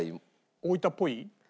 大分っぽい？